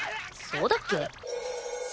そうだっけ？